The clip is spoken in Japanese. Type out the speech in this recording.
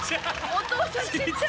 ・・お義父さんちっちゃ！